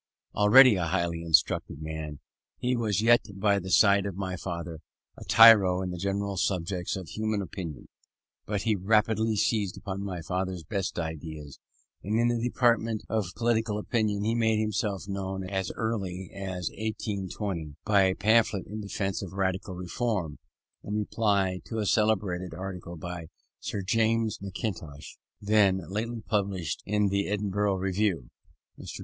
Already a highly instructed man, he was yet, by the side of my father, a tyro in the great subjects of human opinion; but he rapidly seized on my father's best ideas; and in the department of political opinion he made himself known as early as 1820, by a pamphlet in defence of Radical Reform, in reply to a celebrated article by Sir James Mackintosh, then lately published in he Edinburgh Review. Mr.